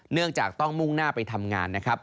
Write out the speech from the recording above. เนื่องจากต้องมุ่งหน้าไปทำงานนะครับ